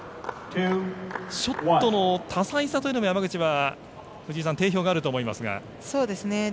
ショットの多彩さというのも山口は定評があると思いますが。